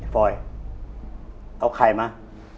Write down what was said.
ฟอยเอาใครมา